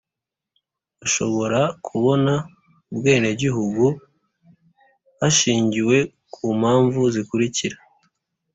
bashobora kubona ubwenegihugu hashingiwe ku mpamvu zikurikira :